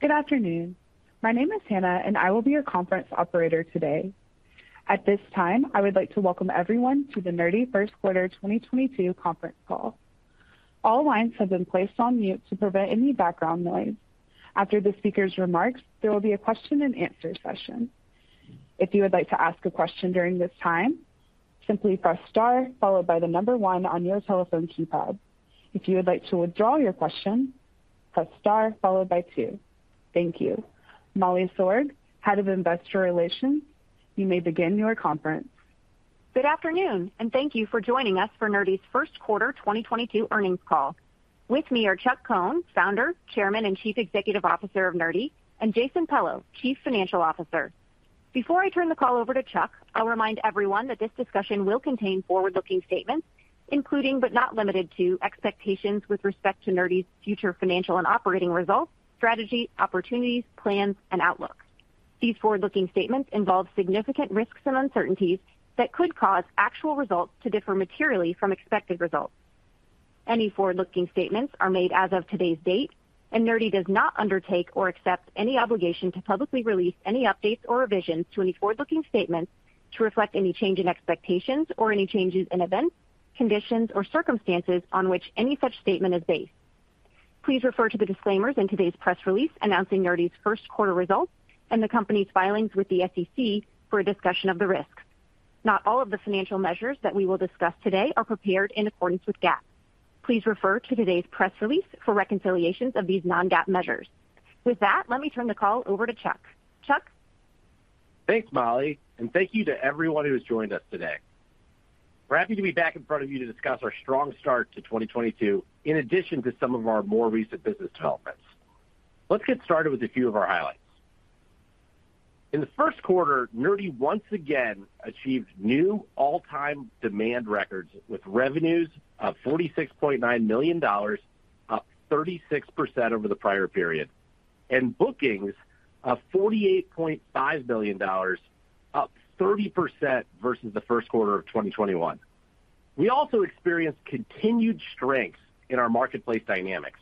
Good afternoon. My name is Hannah, and I will be your conference operator today. At this time, I would like to welcome everyone to the Nerdy first quarter 2022 conference call. All lines have been placed on mute to prevent any background noise. After the speaker's remarks, there will be a question-and-answer session. If you would like to ask a question during this time, simply press star followed by the number one on your telephone keypad. If you would like to withdraw your question, press star followed by two. Thank you. Molly Sorg, Head of Investor Relations, you may begin your conference. Good afternoon, and thank you for joining us for Nerdy's first quarter 2022 earnings call. With me are Chuck Cohn, Founder, Chairman, and Chief Executive Officer of Nerdy, and Jason Pello, Chief Financial Officer. Before I turn the call over to Chuck, I'll remind everyone that this discussion will contain forward-looking statements, including, but not limited to, expectations with respect to Nerdy's future financial and operating results, strategy, opportunities, plans, and outlook. These forward-looking statements involve significant risks and uncertainties that could cause actual results to differ materially from expected results. Any forward-looking statements are made as of today's date, and Nerdy does not undertake or accept any obligation to publicly release any updates or revisions to any forward-looking statements to reflect any change in expectations or any changes in events, conditions, or circumstances on which any such statement is based. Please refer to the disclaimers in today's press release announcing Nerdy's first quarter results and the company's filings with the SEC for a discussion of the risks. Not all of the financial measures that we will discuss today are prepared in accordance with GAAP. Please refer to today's press release for reconciliations of these non-GAAP measures. With that, let me turn the call over to Chuck. Chuck? Thanks, Molly, and thank you to everyone who has joined us today. We're happy to be back in front of you to discuss our strong start to 2022, in addition to some of our more recent business developments. Let's get started with a few of our highlights. In the first quarter, Nerdy once again achieved new all-time demand records with revenues of $46.9 million, up 36% over the prior period, and bookings of $48.5 million, up 30% versus the first quarter of 2021. We also experienced continued strength in our marketplace dynamics,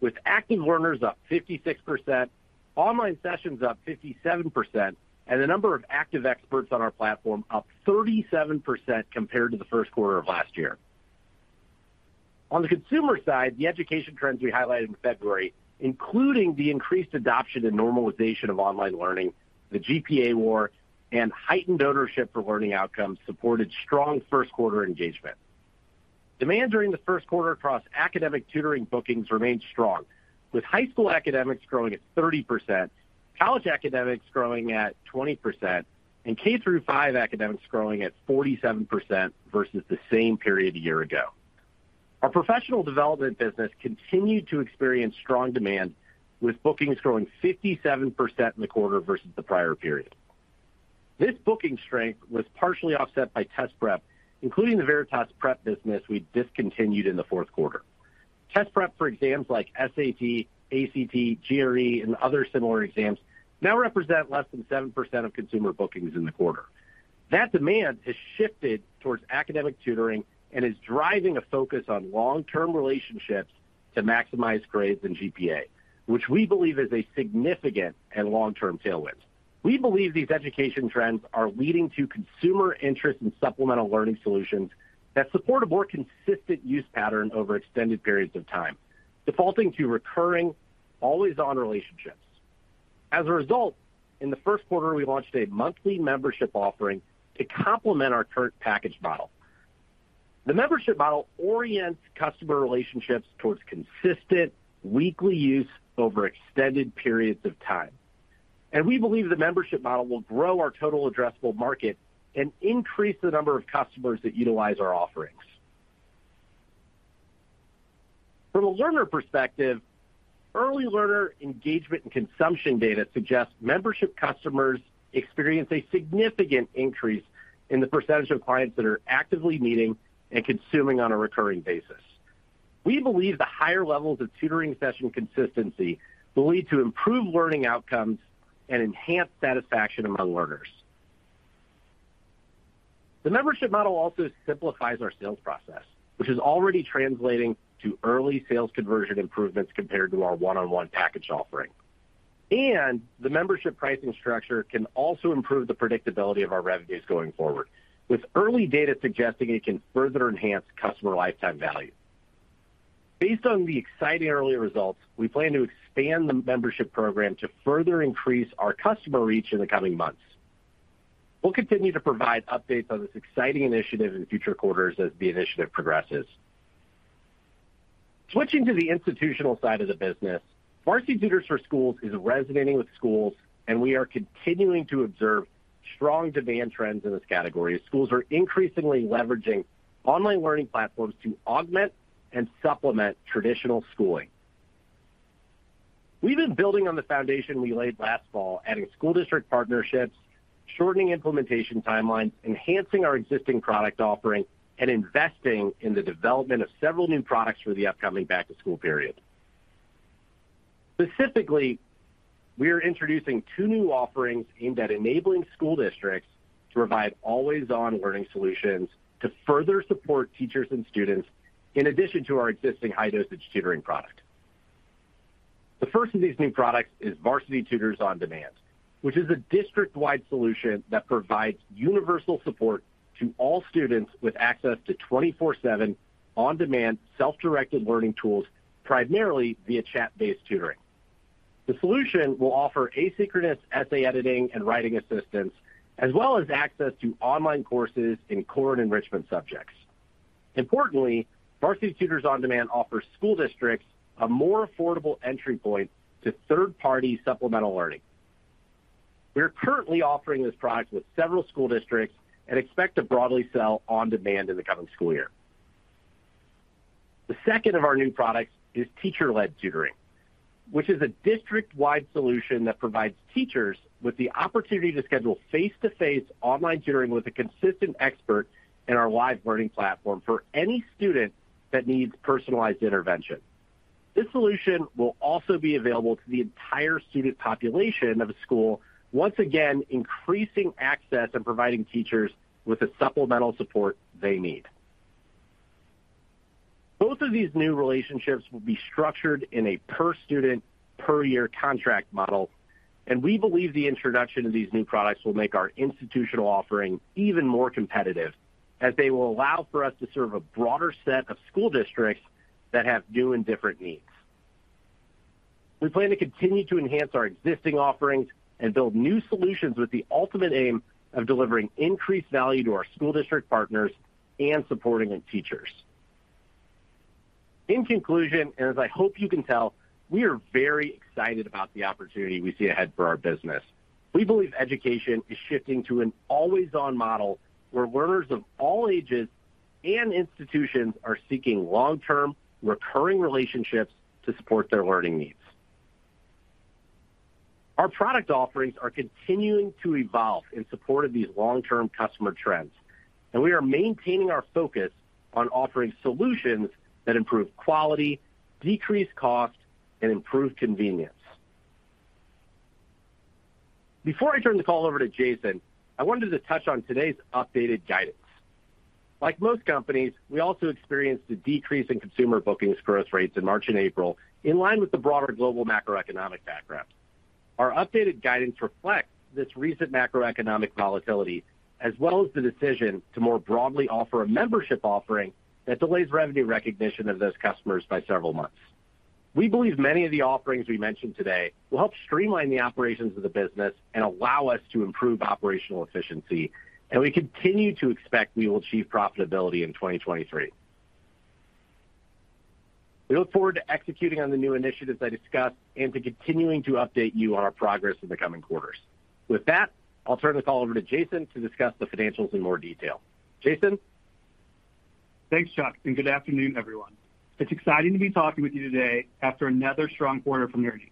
with active learners up 56%, online sessions up 57%, and the number of active experts on our platform up 37% compared to the first quarter of last year. On the consumer side, the education trends we highlighted in February, including the increased adoption and normalization of online learning, the GPA war, and heightened ownership for learning outcomes, supported strong first-quarter engagement. Demand during the first quarter across academic tutoring bookings remained strong, with high school academics growing at 30%, college academics growing at 20%, and K through five academics growing at 47% versus the same period a year ago. Our professional development business continued to experience strong demand, with bookings growing 57% in the quarter versus the prior period. This booking strength was partially offset by test prep, including the Veritas Prep business we discontinued in the fourth quarter. Test prep for exams like SAT, ACT, GRE, and other similar exams now represent less than 7% of consumer bookings in the quarter. That demand has shifted towards academic tutoring and is driving a focus on long-term relationships to maximize grades and GPA, which we believe is a significant and long-term tailwind. We believe these education trends are leading to consumer interest in supplemental learning solutions that support a more consistent use pattern over extended periods of time, defaulting to recurring, always-on relationships. As a result, in the first quarter, we launched a monthly membership offering to complement our current package model. The membership model orients customer relationships towards consistent weekly use over extended periods of time, and we believe the membership model will grow our total addressable market and increase the number of customers that utilize our offerings. From a learner perspective, early learner engagement and consumption data suggests membership customers experience a significant increase in the percentage of clients that are actively meeting and consuming on a recurring basis. We believe the higher levels of tutoring session consistency will lead to improved learning outcomes and enhanced satisfaction among learners. The membership model also simplifies our sales process, which is already translating to early sales conversion improvements compared to our one-on-one package offering. The membership pricing structure can also improve the predictability of our revenues going forward, with early data suggesting it can further enhance customer lifetime value. Based on the exciting early results, we plan to expand the membership program to further increase our customer reach in the coming months. We'll continue to provide updates on this exciting initiative in future quarters as the initiative progresses. Switching to the institutional side of the business, Varsity Tutors for Schools is resonating with schools, and we are continuing to observe strong demand trends in this category. Schools are increasingly leveraging online learning platforms to augment and supplement traditional schooling. We've been building on the foundation we laid last fall, adding school district partnerships, shortening implementation timelines, enhancing our existing product offering, and investing in the development of several new products for the upcoming back to school period. Specifically, we are introducing two new offerings aimed at enabling school districts to provide always-on learning solutions to further support teachers and students in addition to our existing high-dosage tutoring product. The first of these new products is Varsity Tutors On Demand, which is a district-wide solution that provides universal support to all students with access to 24/7 on-demand self-directed learning tools, primarily via chat-based tutoring. The solution will offer asynchronous essay editing and writing assistance, as well as access to online courses in core and enrichment subjects. Importantly, Varsity Tutors On Demand offers school districts a more affordable entry point to third-party supplemental learning. We are currently offering this product with several school districts and expect to broadly sell On Demand in the coming school year. The second of our new products is teacher-led tutoring, which is a district-wide solution that provides teachers with the opportunity to schedule face-to-face online tutoring with a consistent expert in our live learning platform for any student that needs personalized intervention. This solution will also be available to the entire student population of a school, once again, increasing access and providing teachers with the supplemental support they need. Both of these new relationships will be structured in a per-student, per-year contract model, and we believe the introduction of these new products will make our institutional offering even more competitive, as they will allow for us to serve a broader set of school districts that have new and different needs. We plan to continue to enhance our existing offerings and build new solutions with the ultimate aim of delivering increased value to our school district partners and supporting their teachers. In conclusion, and as I hope you can tell, we are very excited about the opportunity we see ahead for our business. We believe education is shifting to an always-on model, where learners of all ages and institutions are seeking long-term recurring relationships to support their learning needs. Our product offerings are continuing to evolve in support of these long-term customer trends, and we are maintaining our focus on offering solutions that improve quality, decrease cost, and improve convenience. Before I turn the call over to Jason, I wanted to touch on today's updated guidance. Like most companies, we also experienced a decrease in consumer bookings growth rates in March and April, in line with the broader global macroeconomic background. Our updated guidance reflects this recent macroeconomic volatility, as well as the decision to more broadly offer a membership offering that delays revenue recognition of those customers by several months. We believe many of the offerings we mentioned today will help streamline the operations of the business and allow us to improve operational efficiency, and we continue to expect we will achieve profitability in 2023. We look forward to executing on the new initiatives I discussed and to continuing to update you on our progress in the coming quarters. With that, I'll turn this call over to Jason to discuss the financials in more detail. Jason? Thanks, Chuck, and good afternoon, everyone. It's exciting to be talking with you today after another strong quarter from Nerdy.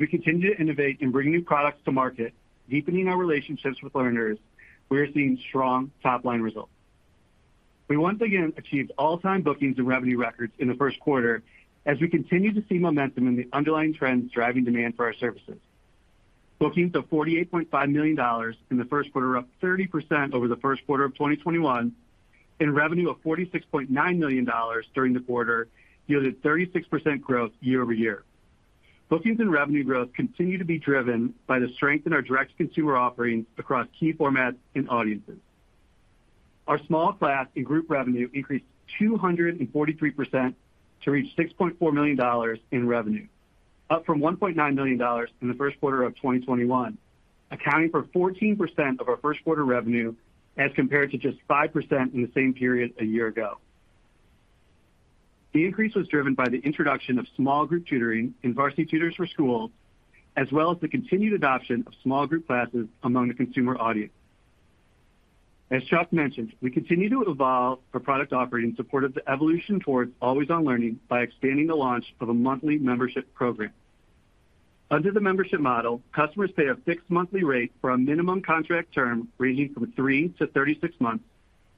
We continue to innovate and bring new products to market, deepening our relationships with learners. We are seeing strong top-line results. We once again achieved all-time bookings and revenue records in the first quarter as we continue to see momentum in the underlying trends driving demand for our services. Bookings of $48.5 million in the first quarter, up 30% over the first quarter of 2021, and revenue of $46.9 million during the quarter yielded 36% growth year-over-year. Bookings and revenue growth continue to be driven by the strength in our direct-to-consumer offerings across key formats and audiences. Our small class and group revenue increased 243% to reach $6.4 million in revenue, up from $1.9 million in the first quarter of 2021, accounting for 14% of our first quarter revenue as compared to just 5% in the same period a year ago. The increase was driven by the introduction of small group tutoring in Varsity Tutors for Schools, as well as the continued adoption of small group classes among the consumer audience. As Chuck mentioned, we continue to evolve our product offering in support of the evolution towards always-on learning by expanding the launch of a monthly membership program. Under the membership model, customers pay a fixed monthly rate for a minimum contract term ranging from 3-36 months,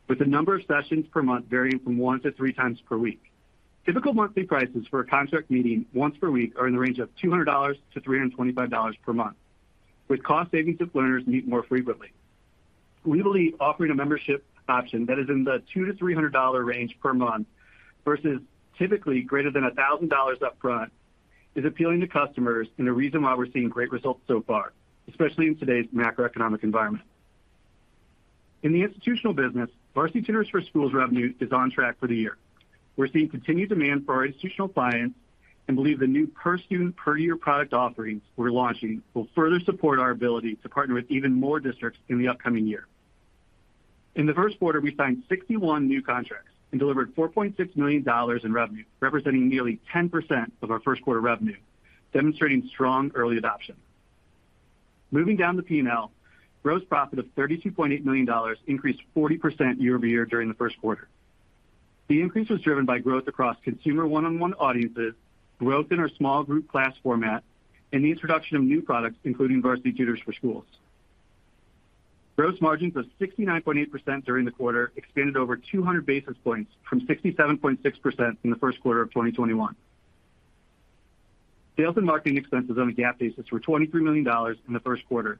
with the number of sessions per month varying from 1-3 times per week. Typical monthly prices for a contract meeting once per week are in the range of $200-$325 per month, with cost savings if learners meet more frequently. We believe offering a membership option that is in the $200-$300 range per month, versus typically greater than $1,000 up front, is appealing to customers and the reason why we're seeing great results so far, especially in today's macroeconomic environment. In the institutional business, Varsity Tutors for Schools revenue is on track for the year. We're seeing continued demand for our institutional clients and believe the new per-student, per-year product offerings we're launching will further support our ability to partner with even more districts in the upcoming year. In the first quarter, we signed 61 new contracts and delivered $4.6 million in revenue, representing nearly 10% of our first quarter revenue, demonstrating strong early adoption. Moving down the P&L, gross profit of $32.8 million increased 40% year-over-year during the first quarter. The increase was driven by growth across consumer one-on-one audiences, growth in our small group class format, and the introduction of new products, including Varsity Tutors for Schools. Gross margins of 69.8% during the quarter expanded over 200 basis points from 67.6% in the first quarter of 2021. Sales and marketing expenses on a GAAP basis were $23 million in the first quarter,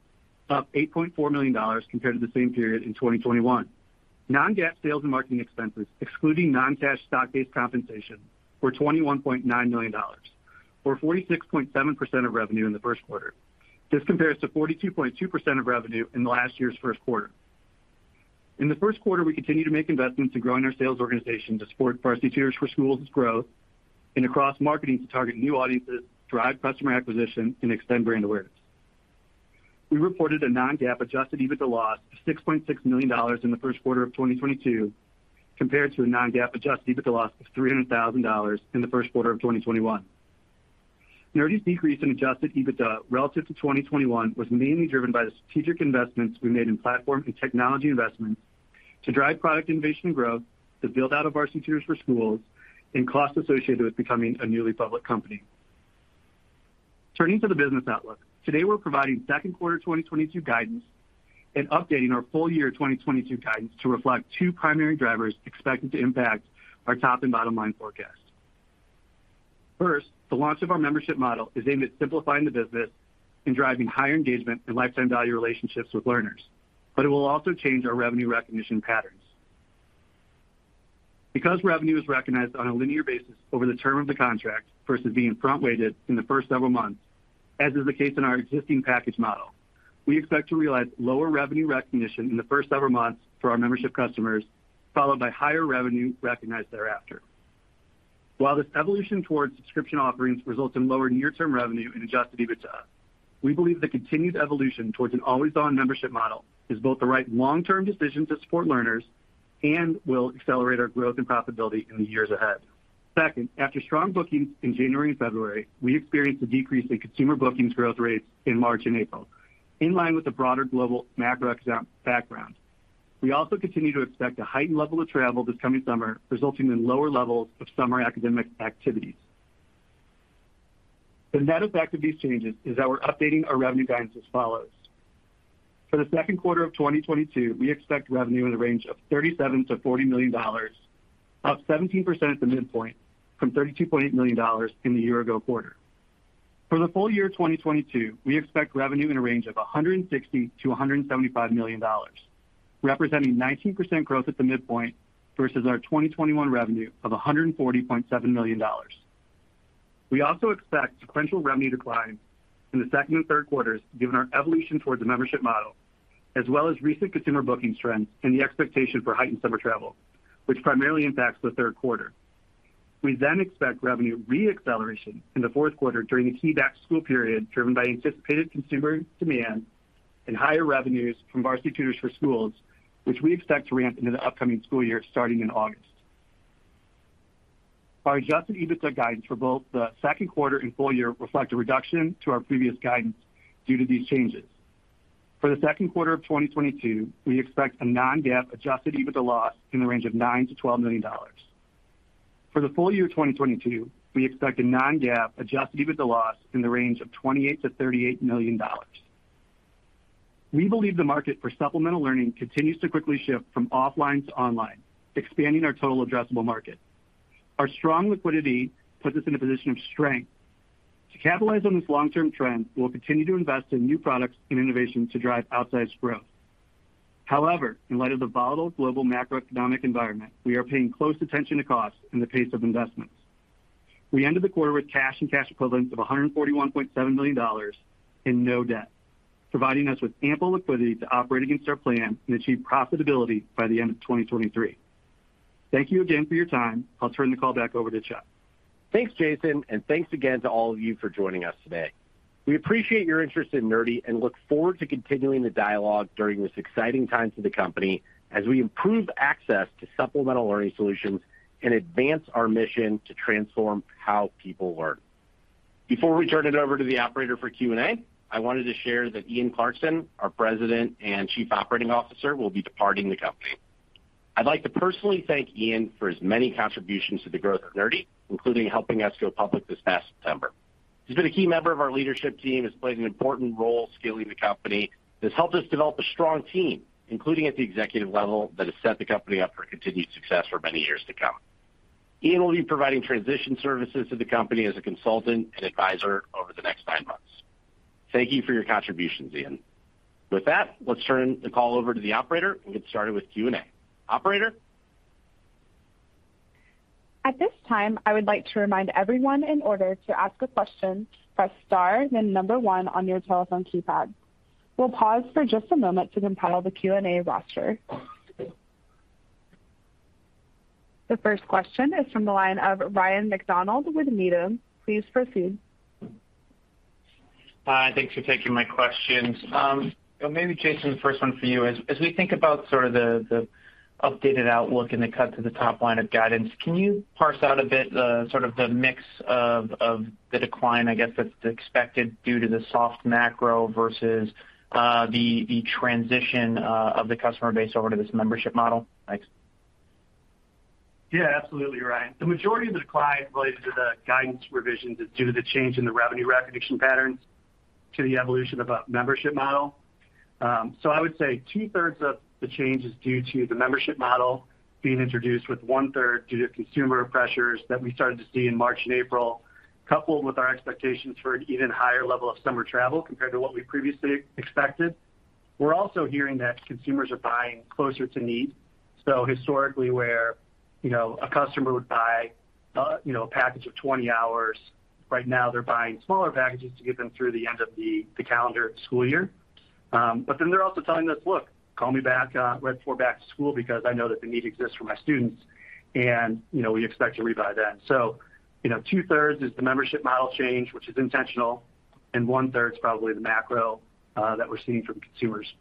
up $8.4 million compared to the same period in 2021. Non-GAAP sales and marketing expenses, excluding non-cash stock-based compensation, were $21.9 million, or 46.7% of revenue in the first quarter. This compares to 42.2% of revenue in last year's first quarter. In the first quarter, we continued to make investments in growing our sales organization to support Varsity Tutors for Schools' growth and across marketing to target new audiences, drive customer acquisition, and extend brand awareness. We reported a non-GAAP adjusted EBITDA loss of $6.6 million in the first quarter of 2022, compared to a non-GAAP adjusted EBITDA loss of $300,000 in the first quarter of 2021. Nerdy's decrease in adjusted EBITDA relative to 2021 was mainly driven by the strategic investments we made in platform and technology investments to drive product innovation and growth, to build out our Varsity Tutors for Schools, and costs associated with becoming a newly public company. Turning to the business outlook. Today, we're providing second quarter 2022 guidance and updating our full year 2022 guidance to reflect two primary drivers expected to impact our top and bottom line forecast. First, the launch of our membership model is aimed at simplifying the business and driving higher engagement and lifetime value relationships with learners, but it will also change our revenue recognition patterns. Because revenue is recognized on a linear basis over the term of the contract versus being front-weighted in the first several months, as is the case in our existing package model, we expect to realize lower revenue recognition in the first several months for our membership customers, followed by higher revenue recognized thereafter. While this evolution towards subscription offerings results in lower near-term revenue and adjusted EBITDA, we believe the continued evolution towards an always-on membership model is both the right long-term decision to support learners and will accelerate our growth and profitability in the years ahead. Second, after strong bookings in January and February, we experienced a decrease in consumer bookings growth rates in March and April, in line with the broader global macroeconomic background. We also continue to expect a heightened level of travel this coming summer, resulting in lower levels of summer academic activities. The net effect of these changes is that we're updating our revenue guidance as follows. For the second quarter of 2022, we expect revenue in the range of $37 million-$40 million, up 17% at the midpoint from $32.8 million in the year-ago quarter. For the full year 2022, we expect revenue in a range of $160 million-$175 million, representing 19% growth at the midpoint versus our 2021 revenue of $140.7 million. We also expect sequential revenue decline in the second and third quarters given our evolution towards the membership model, as well as recent consumer booking trends and the expectation for heightened summer travel, which primarily impacts the third quarter. We expect revenue re-acceleration in the fourth quarter during the key back-to-school period, driven by anticipated consumer demand and higher revenues from Varsity Tutors for Schools, which we expect to ramp into the upcoming school year starting in August. Our adjusted EBITDA guidance for both the second quarter and full year reflect a reduction to our previous guidance due to these changes. For the second quarter of 2022, we expect a non-GAAP adjusted EBITDA loss in the range of $9 million-$12 million. For the full year 2022, we expect a non-GAAP adjusted EBITDA loss in the range of $28 million-$38 million. We believe the market for supplemental learning continues to quickly shift from offline to online, expanding our total addressable market. Our strong liquidity puts us in a position of strength. To capitalize on this long-term trend, we'll continue to invest in new products and innovation to drive outsized growth. However, in light of the volatile global macroeconomic environment, we are paying close attention to cost and the pace of investments. We ended the quarter with cash and cash equivalents of $141.7 million and no debt, providing us with ample liquidity to operate against our plan and achieve profitability by the end of 2023. Thank you again for your time. I'll turn the call back over to Chuck. Thanks, Jason, and thanks again to all of you for joining us today. We appreciate your interest in Nerdy and look forward to continuing the dialogue during this exciting time for the company as we improve access to supplemental learning solutions and advance our mission to transform how people learn. Before we turn it over to the operator for Q&A, I wanted to share that Ian Clarkson, our president and chief operating officer, will be departing the company. I'd like to personally thank Ian for his many contributions to the growth of Nerdy, including helping us go public this past September. He's been a key member of our leadership team, has played an important role scaling the company, has helped us develop a strong team, including at the executive level, that has set the company up for continued success for many years to come. Ian will be providing transition services to the company as a consultant and advisor over the next nine months. Thank you for your contributions, Ian. With that, let's turn the call over to the operator and get started with Q&A. Operator? At this time, I would like to remind everyone in order to ask a question, press star then number one on your telephone keypad. We'll pause for just a moment to compile the Q&A roster. The first question is from the line of Ryan MacDonald with Needham. Please proceed. Hi, thanks for taking my questions. Maybe Jason, the first one for you. As we think about sort of the updated outlook and the cut to the top line of guidance, can you parse out a bit sort of the mix of the decline, I guess, that's expected due to the soft macro versus the transition of the customer base over to this membership model? Thanks. Yeah, absolutely, Ryan. The majority of the decline related to the guidance revisions is due to the change in the revenue recognition patterns to the evolution of a membership model. I would say two-thirds of the change is due to the membership model being introduced, with one-third due to consumer pressures that we started to see in March and April, coupled with our expectations for an even higher level of summer travel compared to what we previously expected. We're also hearing that consumers are buying closer to need. Historically, where, you know, a customer would buy, you know, a package of 20 hours, right now they're buying smaller packages to get them through the end of the calendar school year. They're also telling us, "Look, call me back right before back to school because I know that the need exists for my students." You know, we expect to rebuy then. You know, two-thirds is the membership model change, which is intentional, and one-third's probably the macro that we're seeing from consumers.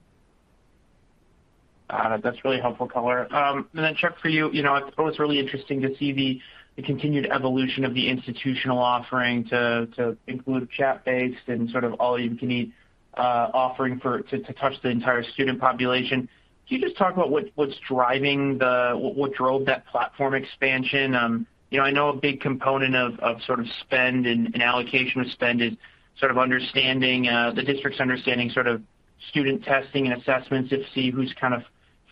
Got it. That's really helpful color. And then Chuck, for you know, I thought it was really interesting to see the continued evolution of the institutional offering to include chat-based and sort of all-you-can-eat offering to touch the entire student population. Can you just talk about what drove that platform expansion? You know, I know a big component of sort of spend and allocation of spend is sort of understanding the district's understanding sort of student testing and assessments to see who's kind of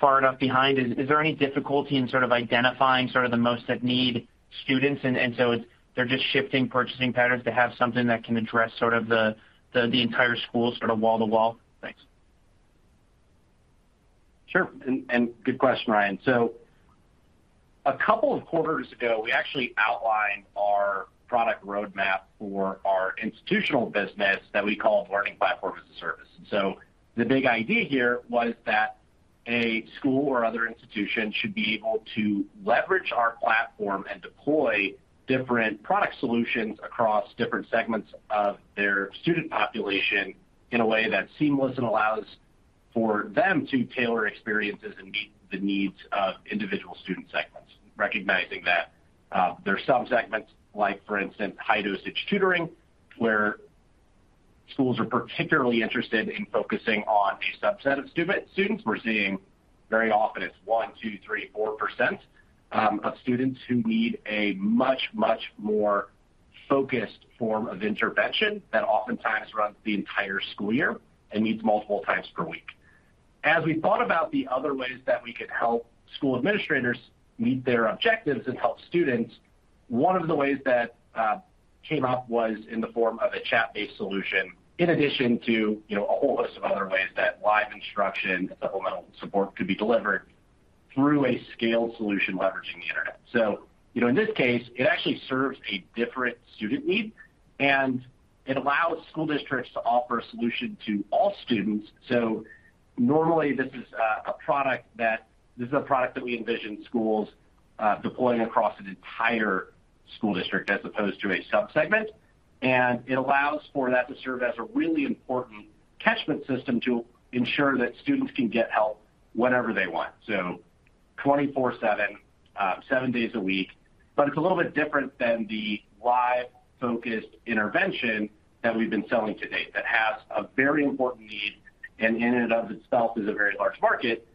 far enough behind. Is there any difficulty in sort of identifying sort of the most at need students, and so they're just shifting purchasing patterns to have something that can address sort of the entire school, sort of wall-to-wall? Thanks. Sure. Good question, Ryan. A couple of quarters ago, we actually outlined our product roadmap for our institutional business that we call Learning Platform as a Service. The big idea here was that a school or other institution should be able to leverage our platform and deploy different product solutions across different segments of their student population in a way that's seamless and allows for them to tailor experiences and meet the needs of individual student segments, recognizing that there are some segments, like for instance, high-dosage tutoring, where schools are particularly interested in focusing on a subset of students. We're seeing very often it's 1%-4% of students who need a much, much more focused form of intervention that oftentimes runs the entire school year and meets multiple times per week. As we thought about the other ways that we could help school administrators meet their objectives and help students, one of the ways that came up was in the form of a chat-based solution, in addition to, you know, a whole list of other ways that live instruction and supplemental support could be delivered through a scaled solution leveraging the internet. You know, in this case, it actually serves a different student need, and it allows school districts to offer a solution to all students. Normally, this is a product that we envision schools deploying across an entire school district as opposed to a subsegment. It allows for that to serve as a really important catchment system to ensure that students can get help whenever they want. 24/7, seven days a week. It's a little bit different than the live-focused intervention that we've been selling to date that has a very important need, and in and of itself is a very large market.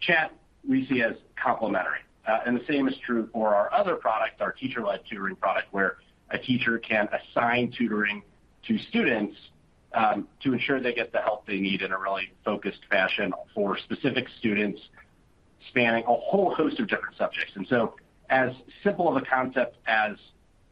Chat we see as complementary. And the same is true for our other product, our teacher-led tutoring product, where a teacher can assign tutoring to students, to ensure they get the help they need in a really focused fashion for specific students spanning a whole host of different subjects. As simple of a concept as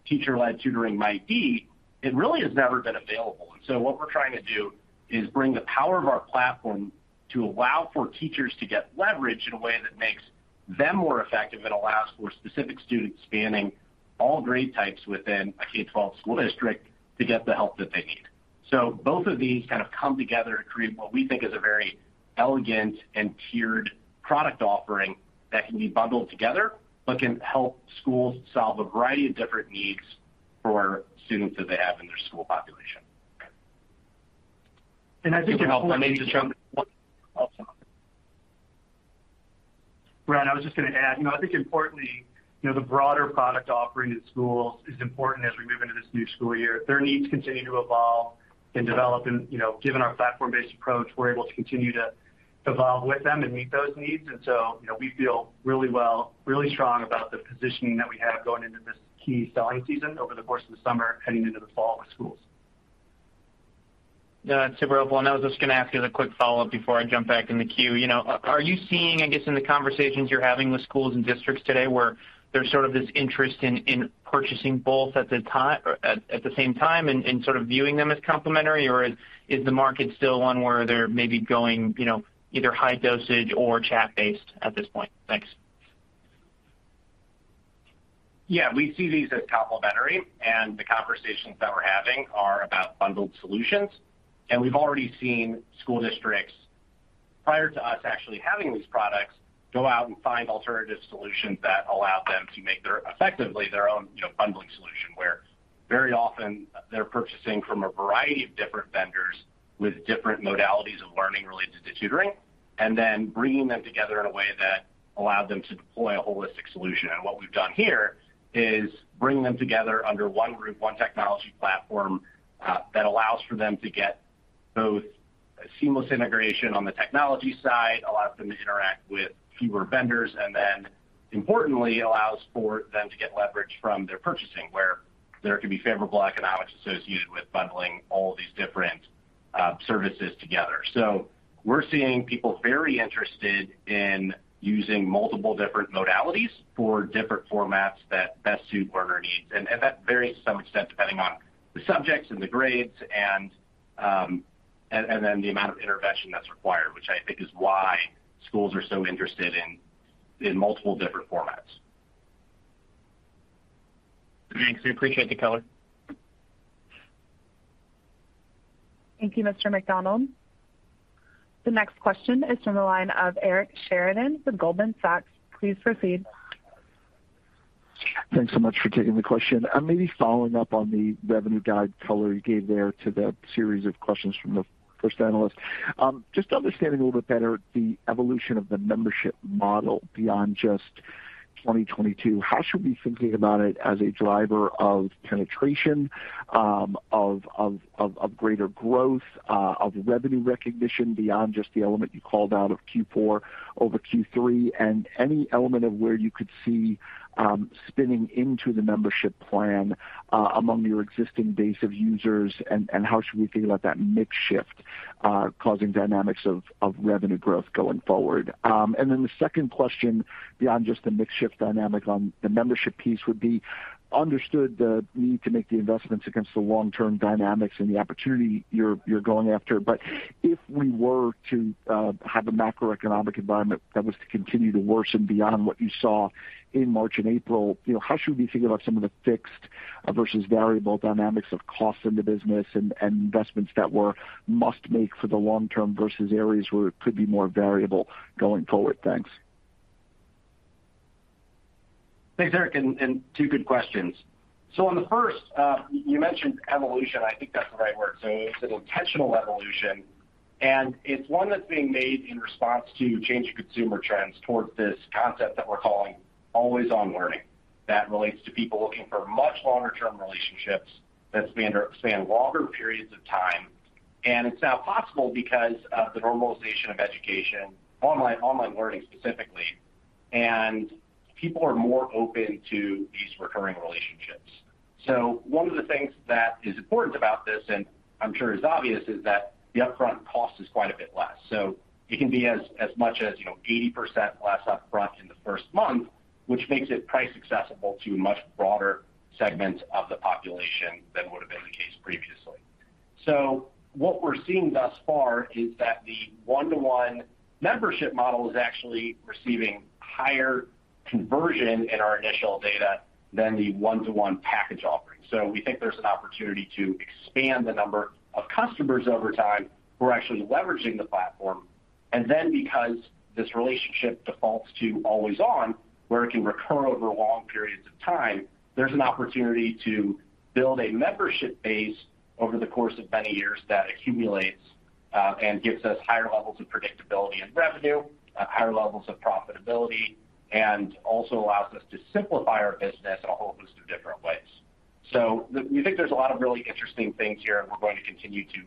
teacher-led tutoring might be, it really has never been available. What we're trying to do is bring the power of our platform to allow for teachers to get leverage in a way that makes them more effective and allows for specific students spanning all grade types within a K-12 school district to get the help that they need. Both of these kind of come together to create what we think is a very elegant and tiered product offering that can be bundled together, but can help schools solve a variety of different needs for students that they have in their school population. I think. If I may just jump in. Sure. Ryan, I was just gonna add, you know, I think importantly, you know, the broader product offering in schools is important as we move into this new school year. Their needs continue to evolve and develop and, you know, given our platform-based approach, we're able to continue to evolve with them and meet those needs. You know, we feel really well, really strong about the positioning that we have going into this key selling season over the course of the summer heading into the fall with schools. Yeah. Super helpful. I was just gonna ask you as a quick follow-up before I jump back in the queue. You know, are you seeing, I guess, in the conversations you're having with schools and districts today, where there's sort of this interest in purchasing both at the same time and sort of viewing them as complementary? Or is the market still one where they're maybe going, you know, either high dosage or chat-based at this point? Thanks. Yeah. We see these as complementary, and the conversations that we're having are about bundled solutions. We've already seen school districts, prior to us actually having these products, go out and find alternative solutions that allow them to make their, effectively, their own, you know, bundling solution, where very often they're purchasing from a variety of different vendors with different modalities of learning related to tutoring, and then bringing them together in a way that allowed them to deploy a holistic solution. What we've done here is bring them together under one roof, one technology platform, that allows for them to get both seamless integration on the technology side allows them to interact with fewer vendors, and then importantly, allows for them to get leverage from their purchasing, where there can be favorable economics associated with bundling all these different, services together. We're seeing people very interested in using multiple different modalities for different formats that best suit learner needs. That varies to some extent depending on the subjects and the grades and then the amount of intervention that's required, which I think is why schools are so interested in multiple different formats. Thanks. We appreciate the color. Thank you, Mr. MacDonald. The next question is from the line of Eric Sheridan from Goldman Sachs. Please proceed. Thanks so much for taking the question. I may be following up on the revenue guide color you gave there to the series of questions from the first analyst. Just understanding a little bit better the evolution of the membership model beyond just 2022, how should we be thinking about it as a driver of penetration, of greater growth, of revenue recognition beyond just the element you called out of Q4 over Q3, and any element of where you could see, spinning into the membership plan, among your existing base of users and how should we think about that mix shift, causing dynamics of revenue growth going forward? Then the second question beyond just the mix shift dynamic on the membership piece would be, understood the need to make the investments against the long-term dynamics and the opportunity you're going after. But if we were to have a macroeconomic environment that was to continue to worsen beyond what you saw in March and April, you know, how should we think about some of the fixed versus variable dynamics of costs in the business and investments that we must make for the long term versus areas where it could be more variable going forward? Thanks. Thanks, Eric, two good questions. On the first, you mentioned evolution. I think that's the right word. It's an intentional evolution, and it's one that's being made in response to changing consumer trends towards this concept that we're calling always-on learning. That relates to people looking for much longer term relationships that span longer periods of time. It's now possible because of the normalization of education, online learning specifically, and people are more open to these recurring relationships. One of the things that is important about this, and I'm sure is obvious, is that the upfront cost is quite a bit less. It can be as much as, you know, 80% less upfront in the first month, which makes it price accessible to much broader segments of the population than would have been the case previously. What we're seeing thus far is that the one-to-one membership model is actually receiving higher conversion in our initial data than the one-to-one package offering. We think there's an opportunity to expand the number of customers over time who are actually leveraging the platform. Because this relationship defaults to always on, where it can recur over long periods of time, there's an opportunity to build a membership base over the course of many years that accumulates, and gives us higher levels of predictability and revenue, higher levels of profitability, and also allows us to simplify our business in a whole host of different ways. We think there's a lot of really interesting things here, and we're going to continue to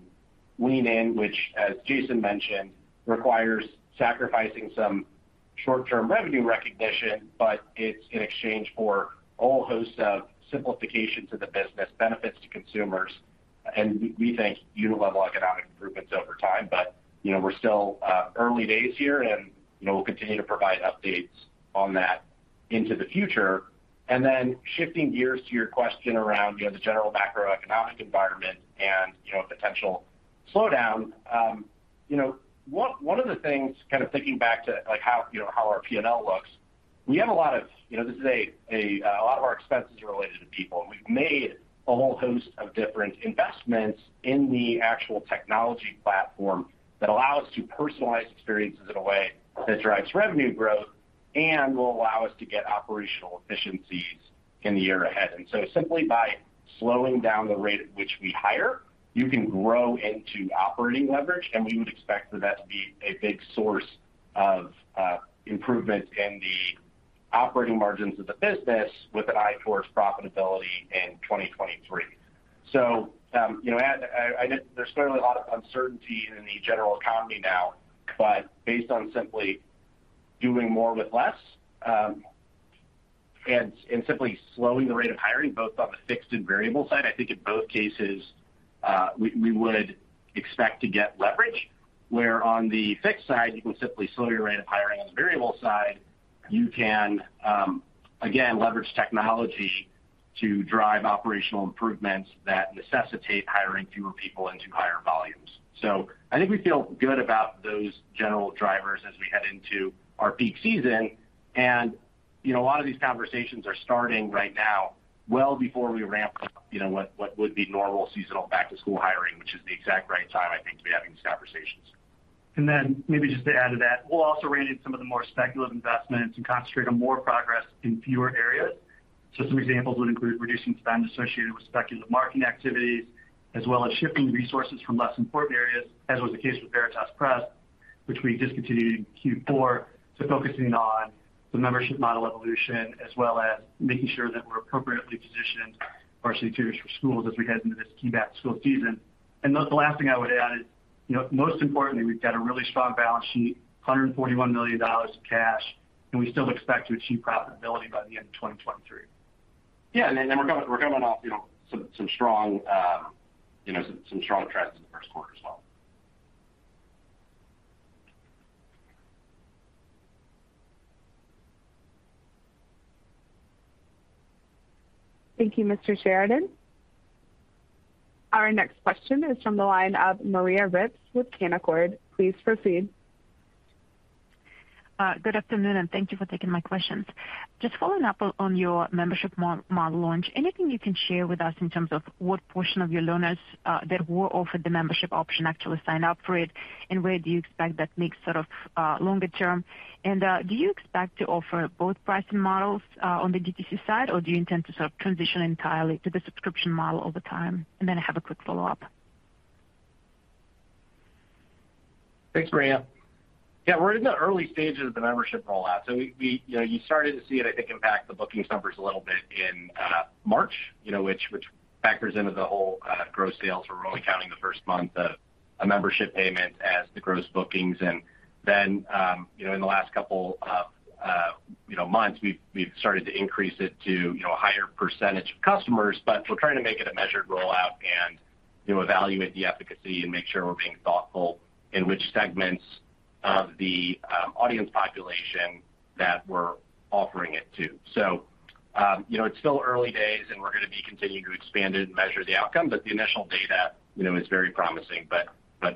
lean in, which as Jason mentioned, requires sacrificing some short-term revenue recognition, but it's in exchange for a whole host of simplifications of the business, benefits to consumers, and we think unit-level economic improvements over time. You know, we're still early days here, and you know, we'll continue to provide updates on that into the future. Then shifting gears to your question around you know, the general macroeconomic environment and you know, potential slowdown. You know, one of the things kind of thinking back to like how, you know, how our P&L looks, we have a lot of, you know, a lot of our expenses are related to people, and we've made a whole host of different investments in the actual technology platform that allow us to personalize experiences in a way that drives revenue growth and will allow us to get operational efficiencies in the year ahead. Simply by slowing down the rate at which we hire, you can grow into operating leverage, and we would expect for that to be a big source of improvement in the operating margins of the business with an eye towards profitability in 2023. You know, there's certainly a lot of uncertainty in the general economy now. Based on simply doing more with less, and simply slowing the rate of hiring both on the fixed and variable side, I think in both cases, we would expect to get leverage. Where on the fixed side, you can simply slow your rate of hiring. On the variable side, you can again leverage technology to drive operational improvements that necessitate hiring fewer people into higher volumes. I think we feel good about those general drivers as we head into our peak season. You know, a lot of these conversations are starting right now, well before we ramp up, you know, what would be normal seasonal back-to-school hiring, which is the exact right time, I think, to be having these conversations. Maybe just to add to that, we'll also rein in some of the more speculative investments and concentrate on more progress in fewer areas. Some examples would include reducing spend associated with speculative marketing activities, as well as shifting resources from less important areas, as was the case with Veritas Prep, which we just continued in Q4 to focusing on the membership model evolution as well as making sure that we're appropriately positioned Varsity Tutors for Schools as we head into this key back-to-school season. The last thing I would add is, you know, most importantly, we've got a really strong balance sheet, $141 million in cash, and we still expect to achieve profitability by the end of 2023. Yeah. We're coming off, you know, some strong trends in the first quarter as well. Thank you, Mr. Sheridan. Our next question is from the line of Maria Ripps with Canaccord. Please proceed. Good afternoon, and thank you for taking my questions. Just following up on your membership model launch, anything you can share with us in terms of what portion of your learners that were offered the membership option actually signed up for it? Where do you expect that mix sort of longer term? Do you expect to offer both pricing models on the DTC side, or do you intend to sort of transition entirely to the subscription model over time? I have a quick follow-up. Thanks, Maria. Yeah, we're in the early stages of the membership rollout, so we you know you started to see it, I think, impact the bookings numbers a little bit in March, you know, which factors into the whole gross sales. We're only counting the first month of a membership payment as the gross bookings. Then, you know, in the last couple you know months, we've started to increase it to you know a higher percentage of customers. But we're trying to make it a measured rollout and you know evaluate the efficacy and make sure we're being thoughtful in which segments of the audience population that we're offering it to. You know, it's still early days, and we're gonna be continuing to expand it and measure the outcome. The initial data, you know, is very promising, but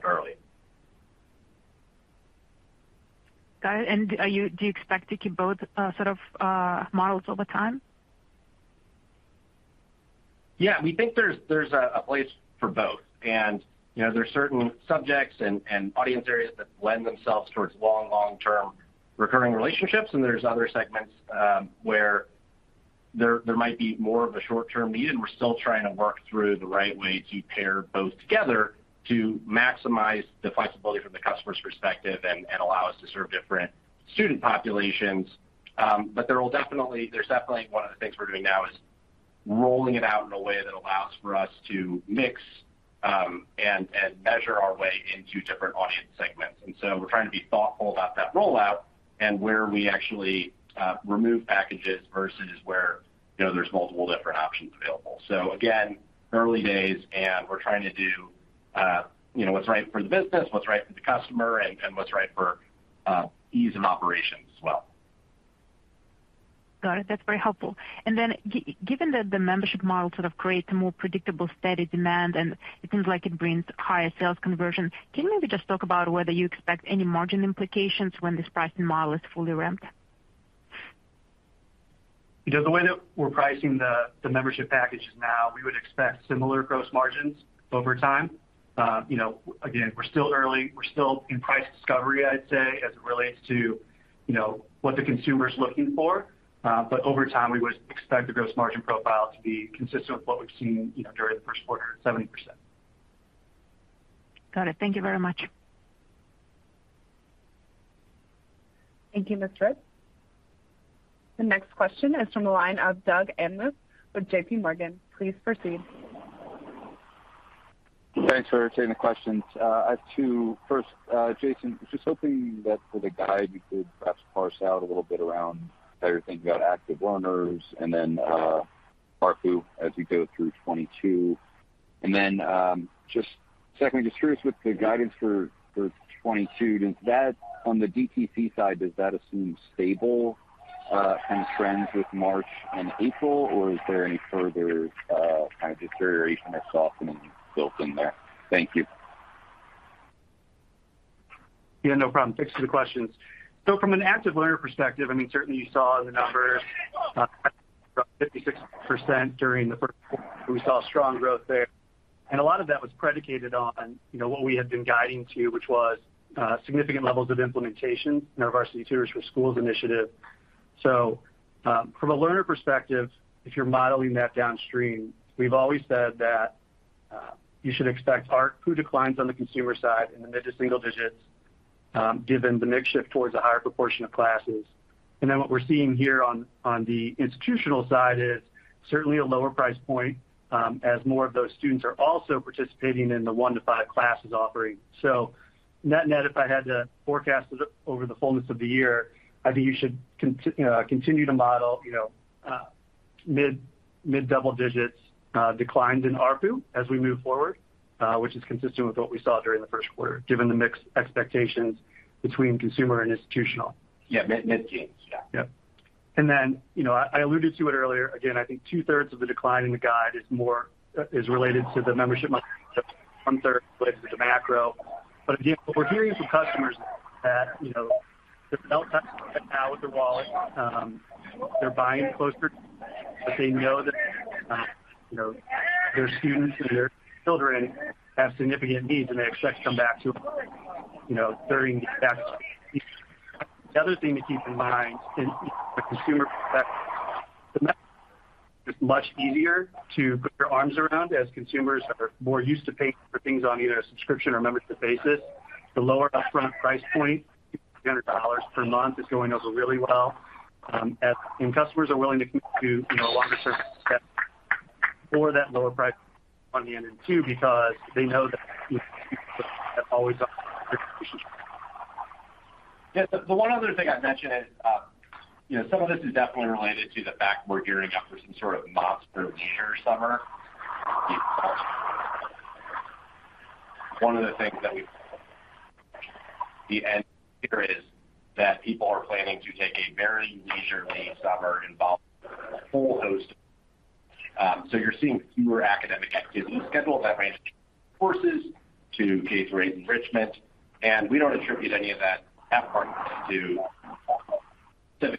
early. Got it. Do you expect to keep both, sort of, models over time? Yeah, we think there's a place for both. You know, there are certain subjects and audience areas that lend themselves toward long-term recurring relationships, and there are other segments where there might be more of a short-term need. We're still trying to work through the right way to pair both together to maximize the flexibility from the customer's perspective and allow us to serve different student populations. But there will definitely. There's definitely one of the things we're doing now is rolling it out in a way that allows for us to mix and measure our way into different audience segments. We're trying to be thoughtful about that rollout and where we actually remove packages versus where, you know, there's multiple different options available. Again, early days, and we're trying to do, you know, what's right for the business, what's right for the customer, and what's right for ease of operations as well. Got it. That's very helpful. Given that the membership model sort of creates a more predictable, steady demand, and it seems like it brings higher sales conversion, can you maybe just talk about whether you expect any margin implications when this pricing model is fully ramped? You know, the way that we're pricing the membership packages now, we would expect similar gross margins over time. You know, again, we're still early. We're still in price discovery, I'd say, as it relates to, you know, what the consumer's looking for. Over time, we would expect the gross margin profile to be consistent with what we've seen, you know, during the first quarter at 70%. Got it. Thank you very much. Thank you, Ms. Ripps. The next question is from the line of Doug Anmuth with J.P. Morgan. Please proceed. Thanks for taking the questions. I have two. First, Jason, just hoping that for the guide, you could perhaps parse out a little bit around how you're thinking about active learners and then, ARPU as we go through 2022. Just secondly, just curious with the guidance for 2022, does that, on the DTC side, assume stable, kind of trends with March and April, or is there any further, kind of deterioration or softening built in there? Thank you. Yeah, no problem. Thanks for the questions. From an active learner perspective, I mean, certainly you saw the numbers, up 56% during the first quarter. We saw strong growth there. A lot of that was predicated on, you know, what we had been guiding to, which was, significant levels of implementation in our Varsity Tutors for Schools initiative. From a learner perspective, if you're modeling that downstream, we've always said that, you should expect ARPU declines on the consumer side in the mid to single digits, given the mix shift towards a higher proportion of classes. Then what we're seeing here on the institutional side is certainly a lower price point, as more of those students are also participating in the 1-5 classes offering. net-net, if I had to forecast it over the fullness of the year, I think you should continue to model, you know, mid double digits declines in ARPU as we move forward, which is consistent with what we saw during the first quarter, given the mix expectations between consumer and institutional. Yeah. Mid-teens. Yeah. Yeah. Then, you know, I alluded to it earlier. Again, I think two-thirds of the decline in the guide is more related to the membership model, one-third related to the macro. What we're hearing from customers is that, you know, they're belt-tightening right now with their wallet. They're buying closer, but they know that, you know, their students or their children have significant needs, and they expect to come back to, you know, during that. The other thing to keep in mind in the consumer. It's much easier to put your arms around as consumers are more used to paying for things on either a subscription or membership basis. The lower upfront price point, $300 per month, is going over really well. Customers are willing to commit to, you know, a longer service for that lower price in the end too, because they know that always. Yes. The one other thing I'd mention is, you know, some of this is definitely related to the fact we're gearing up for some sort of monster leisure summer. One of the things that we see is that people are planning to take a very leisurely summer involving a whole host of. So you're seeing fewer academic activities scheduled that range from courses to K through eight enrichment, and we don't attribute any of that half-heartedly to,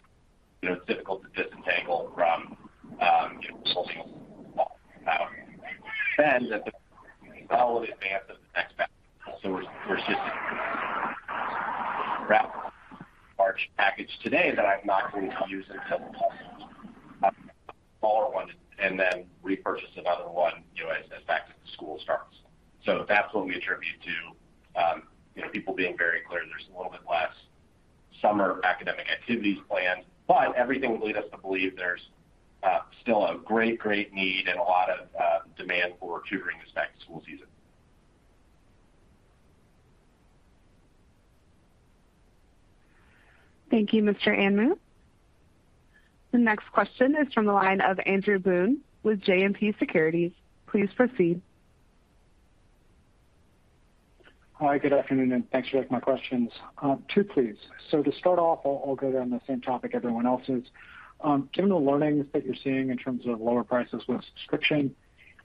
you know, difficult to disentangle from, you know, well in advance of the next large package to date that I'm not going to use until the fall. Smaller ones and then purchase another one, you know, as back to school starts. That's what we attribute to, you know, people being very clear there's a little bit less summer academic activities planned. Everything would lead us to believe there's still a great need and a lot of demand for tutoring this back-to-school season. Thank you, Mr. Anmuth. The next question is from the line of Andrew Boone with JMP Securities. Please proceed. Hi, good afternoon, and thanks for taking my questions. Two, please. To start off, I'll go down the same topic everyone else is. Given the learnings that you're seeing in terms of lower prices with subscription,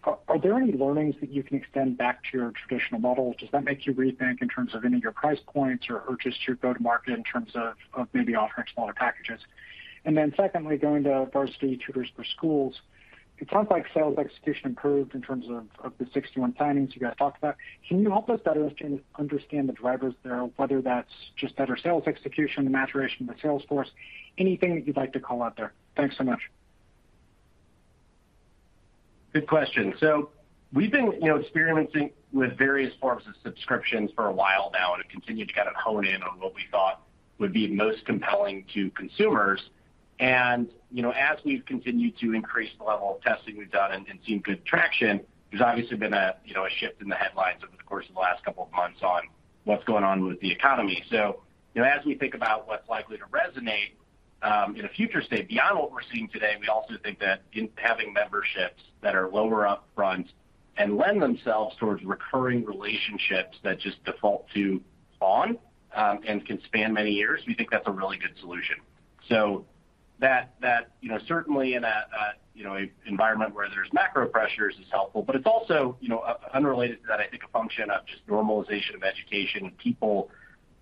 are there any learnings that you can extend back to your traditional model? Does that make you rethink in terms of any of your price points or just your go-to-market in terms of maybe offering smaller packages? Secondly, going to Varsity Tutors for Schools, it sounds like sales execution improved in terms of the 61 plannings you guys talked about. Can you help us better understand the drivers there, whether that's just better sales execution, the maturation of the sales force, anything that you'd like to call out there? Thanks so much. Good question. We've been, you know, experimenting with various forms of subscriptions for a while now and have continued to kind of hone in on what we thought would be most compelling to consumers. You know, as we've continued to increase the level of testing we've done and seen good traction, there's obviously been a, you know, a shift in the headlines over the course of the last couple of months on what's going on with the economy. You know, as we think about what's likely to resonate in a future state beyond what we're seeing today, we also think that in having memberships that are lower upfront and lend themselves towards recurring relationships that just default to on and can span many years, we think that's a really good solution. That, you know, certainly in a you know environment where there's macro pressures is helpful, but it's also, you know, unrelated to that. I think a function of just normalization of education and people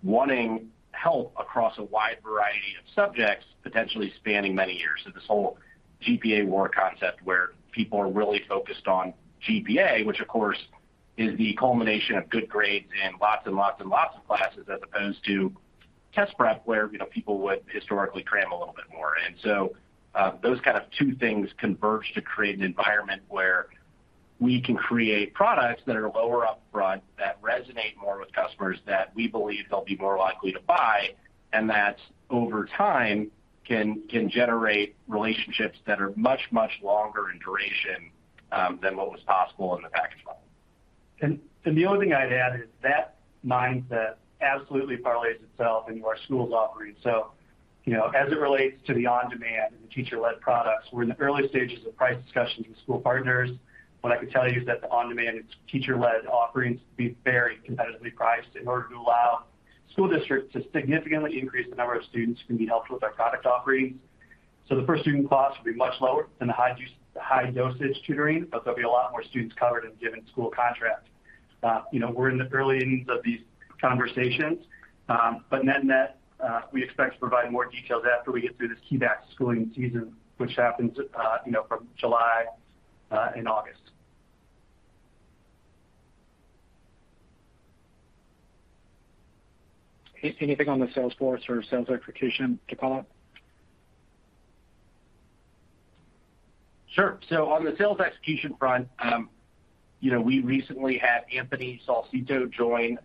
wanting help across a wide variety of subjects, potentially spanning many years. This whole GPA war concept where people are really focused on GPA, which of course is the culmination of good grades in lots and lots and lots of classes, as opposed to test prep, where, you know, people would historically cram a little bit more. Those kind of two things converge to create an environment where we can create products that are lower upfront, that resonate more with customers that we believe they'll be more likely to buy, and that over time can generate relationships that are much, much longer in duration than what was possible in the package model. The only thing I'd add is that mindset absolutely parlays itself into our schools offerings. You know, as it relates to the on-demand and the teacher-led products, we're in the early stages of price discussions with school partners. What I can tell you is that the on-demand and teacher-led offerings will be very competitively priced in order to allow school districts to significantly increase the number of students who can be helped with our product offerings. The per student cost will be much lower than the high dosage tutoring, but there'll be a lot more students covered in a given school contract. You know, we're in the early innings of these conversations. But net net, we expect to provide more details after we get through this key back-to-schooling season, which happens from July and August. Anything on the sales force or sales execution to call out? Sure. On the sales execution front, you know, we recently had Anthony Salcito join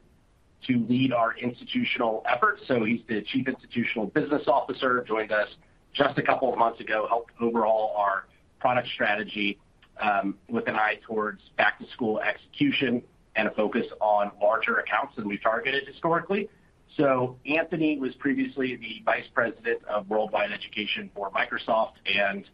to lead our institutional efforts. He's the Chief Institution Business Officer, joined us just a couple of months ago, helped overhaul our product strategy, with an eye towards back-to-school execution and a focus on larger accounts than we've targeted historically. Anthony was previously the Vice President of Worldwide Education for Microsoft and,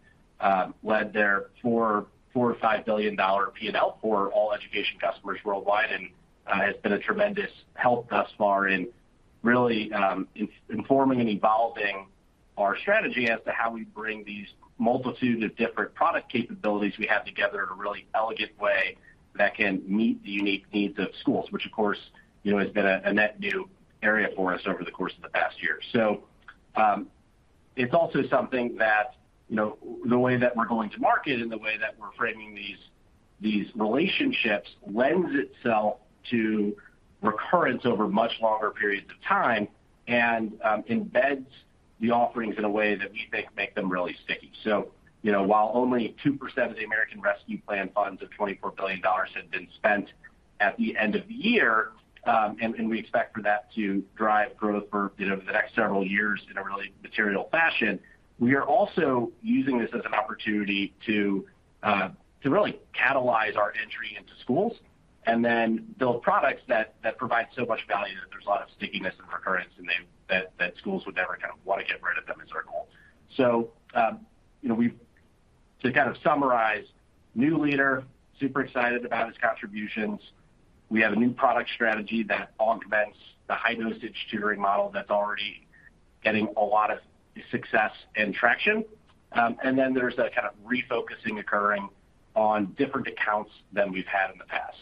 led their $4 billion-$5 billion P&L for all education customers worldwide and, has been a tremendous help thus far in really, informing and evolving our strategy as to how we bring these multitude of different product capabilities we have together in a really elegant way that can meet the unique needs of schools. Which of course, you know, has been a net new area for us over the course of the past year. It's also something that, you know, the way that we're going to market and the way that we're framing these relationships lends itself to recurrence over much longer periods of time and embeds the offerings in a way that we think make them really sticky. You know, while only 2% of the American Rescue Plan funds of $24 billion had been spent at the end of the year, and we expect for that to drive growth for, you know, the next several years in a really material fashion. We are also using this as an opportunity to really catalyze our entry into schools, and then build products that provide so much value that there's a lot of stickiness and recurrence and that schools would never kind of want to get rid of them as our goal. You know, to kind of summarize, new leader, super excited about his contributions. We have a new product strategy that augments the high-dosage tutoring model that's already getting a lot of success and traction. Then there's that kind of refocusing occurring on different accounts than we've had in the past.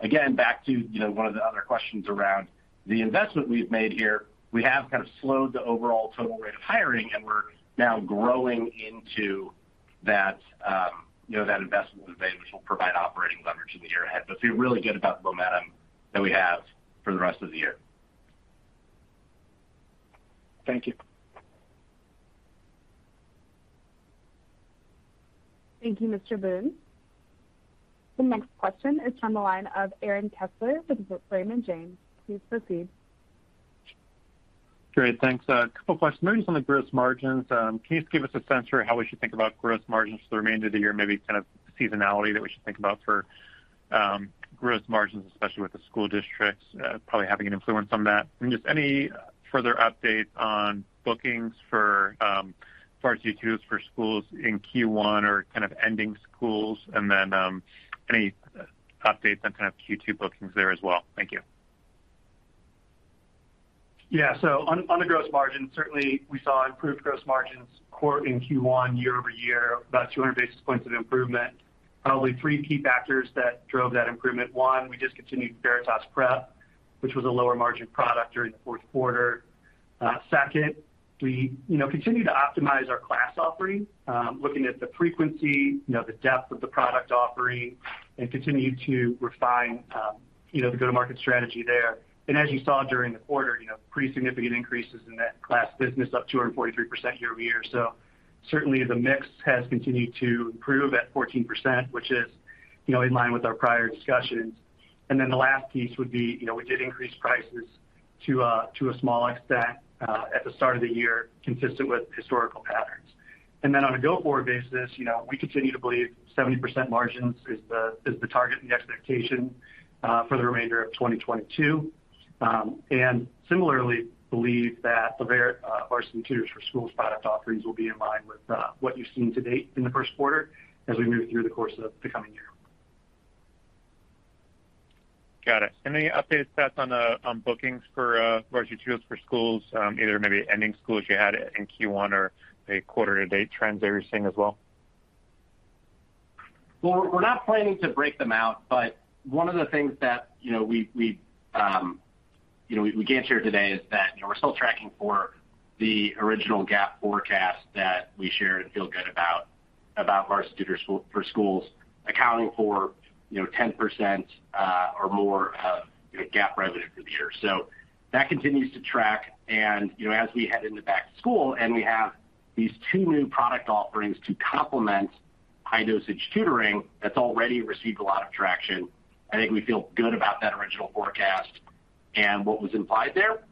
Again, back to, you know, one of the other questions around the investment we've made here. We have kind of slowed the overall total rate of hiring, and we're now growing into that, you know, that investment we've made, which will provide operating leverage in the year ahead. We feel really good about the momentum that we have for the rest of the year. Thank you. Thank you, Mr. Boone. The next question is from the line of Aaron Kessler with Raymond James. Please proceed. Great. Thanks. A couple questions on the gross margins. Can you just give us a sense for how we should think about gross margins for the remainder of the year, maybe kind of the seasonality that we should think about for gross margins, especially with the school districts probably having an influence on that? Just any further update on bookings for Varsity Tutors for Schools in Q1 or kind of ending schools, and then any updates on kind of Q2 bookings there as well? Thank you. Yeah. On the gross margin, certainly we saw improved gross margins in Q1 year over year, about 200 basis points of improvement. Probably three key factors that drove that improvement. One, we discontinued Veritas Prep, which was a lower margin product during the fourth quarter. Second, we continue to optimize our class offering, looking at the frequency, you know, the depth of the product offering, and continue to refine, you know, the go-to-market strategy there. As you saw during the quarter, you know, pretty significant increases in that class business, up 243% year over year. Certainly the mix has continued to improve at 14%, which is, you know, in line with our prior discussions. The last piece would be, you know, we did increase prices to a small extent at the start of the year, consistent with historical patterns. On a go-forward basis, you know, we continue to believe 70% margins is the target and the expectation for the remainder of 2022. Similarly believe that the Varsity Tutors for Schools product offerings will be in line with what you've seen to date in the first quarter as we move through the course of the coming year. Got it. Any updates, Chuck, on bookings for Varsity Tutors for Schools? Either maybe ending schools you had in Q1 or the quarter to date trends that you're seeing as well? Well, we're not planning to break them out, but one of the things that, you know, we can share today is that, you know, we're still tracking for the original GAAP forecast that we shared and feel good about Varsity Tutors for Schools accounting for, you know, 10% or more of GAAP revenue for the year. That continues to track. You know, as we head into back to school, and we have these two new product offerings to complement high-dosage tutoring that's already received a lot of traction, I think we feel good about that original forecast and what was implied there.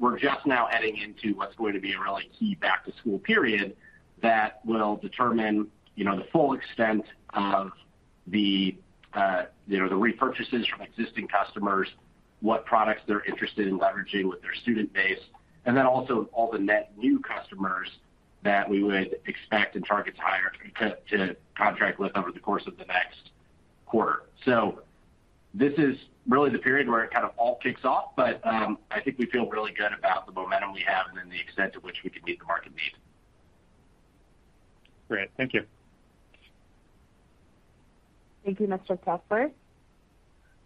We're just now heading into what's going to be a really key back-to-school period that will determine, you know, the full extent of the, you know, the repurchases from existing customers, what products they're interested in leveraging with their student base, and then also all the net new customers that we would expect and target to contract with over the course of the next quarter. This is really the period where it kind of all kicks off, but, I think we feel really good about the momentum we have and then the extent to which we can meet the market need. Great. Thank you. Thank you, Mr. Kessler.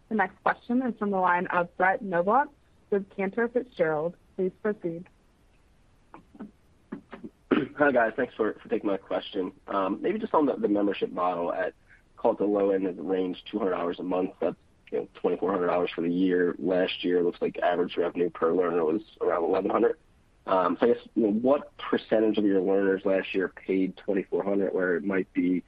The next question is from the line of Brett Knoblauch with Cantor Fitzgerald. Please proceed. Hi, guys. Thanks for taking my question. Maybe just on the membership model at call it the low end of the range, $200 a month, that's, you know, $2,400 for the year. Last year looks like average revenue per learner was around $1,100. I guess, you know, what percentage of your learners last year paid $2,400, where it might be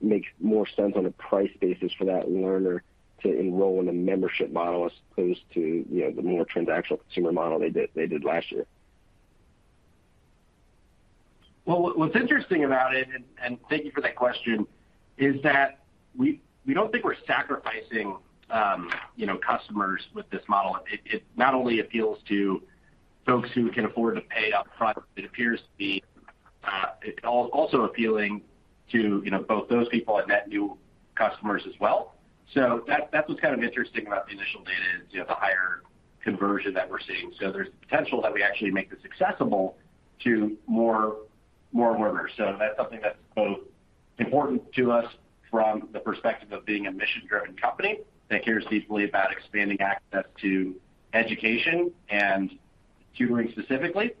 makes more sense on a price basis for that learner to enroll in a membership model as opposed to, you know, the more transactional consumer model they did last year? Well, what's interesting about it, and thank you for that question, is that we don't think we're sacrificing, you know, customers with this model. It not only appeals to folks who can afford to pay up front, it appears to be also appealing to, you know, both those people and net new customers as well. That's what's kind of interesting about the initial data, you know, the higher conversion that we're seeing. There's the potential that we actually make this accessible to more learners. That's something that's both important to us from the perspective of being a mission-driven company that cares deeply about expanding access to education and tutoring specifically.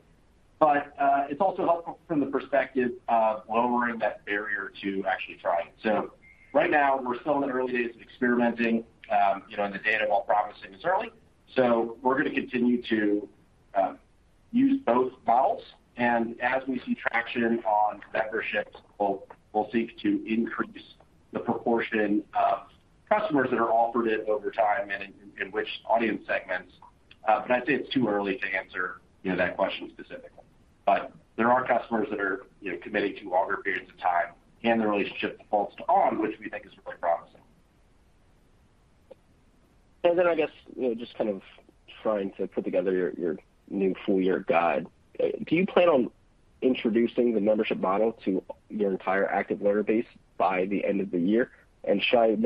It's also helpful from the perspective of lowering that barrier to actually trying. Right now we're still in the early days of experimenting, you know, and the data, while promising, is early. We're gonna continue to use both models, and as we see traction on memberships, we'll seek to increase the proportion of customers that are offered it over time and in which audience segments. I'd say it's too early to answer, you know, that question specifically. There are customers that are, you know, committing to longer periods of time, and the relationship defaults to on, which we think is really promising. I guess, you know, just kind of trying to put together your new full-year guide. Do you plan on introducing the membership model to your entire active learner base by the end of the year? Should I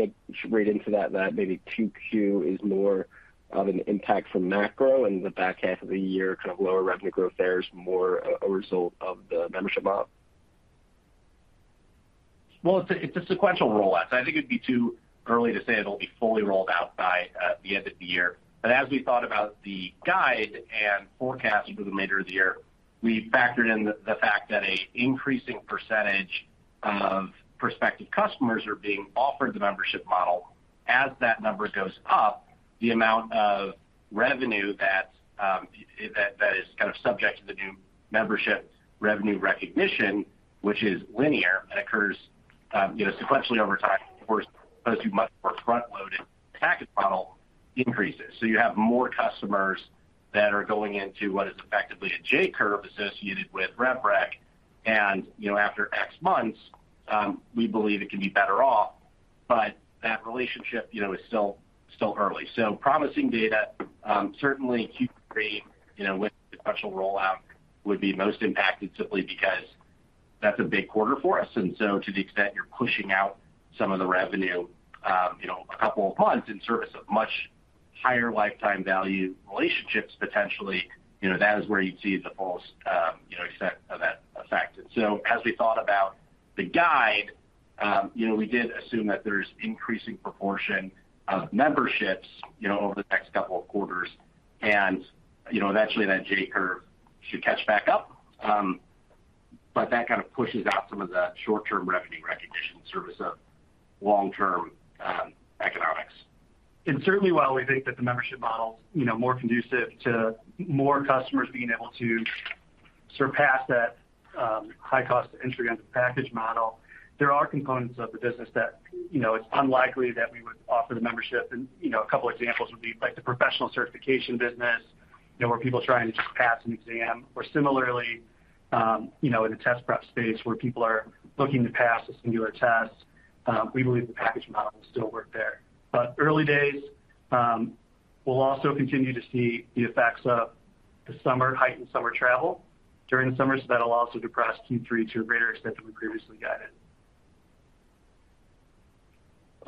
read into that maybe 2Q is more of an impact from macro and the back half of the year kind of lower revenue growth there is more, a result of the membership model? It's a sequential rollout, so I think it'd be too early to say it'll be fully rolled out by the end of the year. As we thought about the guide and forecast through the latter part of the year, we factored in the fact that an increasing percentage of prospective customers are being offered the membership model. As that number goes up, the amount of revenue that is kind of subject to the new membership revenue recognition, which is linear and occurs, you know, sequentially over time, of course, as the much more front-loaded package model increases. You have more customers that are going into what is effectively a J curve associated with rev rec. You know, after X months, we believe it can be better off, but that relationship, you know, is still early. Promising data, certainly Q3, you know, with the potential rollout would be most impacted simply because that's a big quarter for us. To the extent you're pushing out some of the revenue, you know, a couple of months in service of much higher lifetime value relationships, potentially, you know, that is where you'd see the fullest, you know, extent of that effect. As we thought about the guide, you know, we did assume that there's increasing proportion of memberships, you know, over the next couple of quarters and, you know, eventually that J-curve should catch back up. That kind of pushes out some of that short-term revenue recognition in service of long-term economics. Certainly, while we think that the membership model's, you know, more conducive to more customers being able to surpass that high cost of entry into the package model, there are components of the business that, you know, it's unlikely that we would offer the membership. A couple examples would be like the professional certification business, you know, where people trying to just pass an exam or similarly, you know, in a test prep space where people are looking to pass a singular test, we believe the package model will still work there. Early days, we'll also continue to see the effects of the summer heightened summer travel during the summer, so that'll also depress Q3 to a greater extent than we previously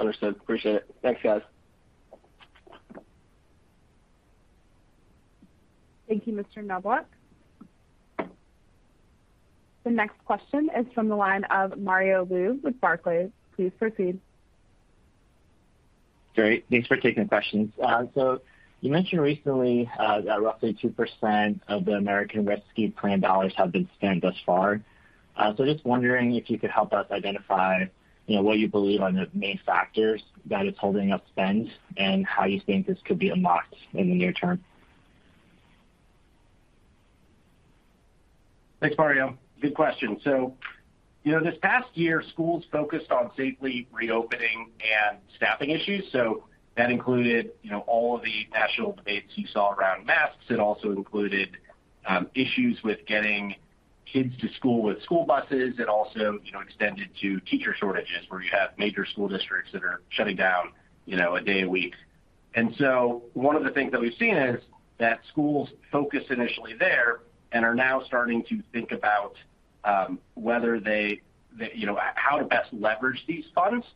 guided. Understood. Appreciate it. Thanks, guys. Thank you, Mr. Knoblauch. The next question is from the line of Mario Lu with Barclays. Please proceed. Great. Thanks for taking the questions. You mentioned recently that roughly 2% of the American Rescue Plan dollars have been spent thus far. Just wondering if you could help us identify, you know, what you believe are the main factors that is holding up spend and how you think this could be unlocked in the near term. Thanks, Mario. Good question. You know, this past year, schools focused on safely reopening and staffing issues. That included, you know, all of the national debates you saw around masks. It also included issues with getting kids to school with school buses. It also, you know, extended to teacher shortages where you have major school districts that are shutting down, you know, a day a week. One of the things that we've seen is that schools focus initially there and are now starting to think about whether, you know, how to best leverage these funds.